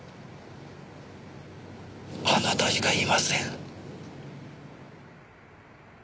あなたしかいません。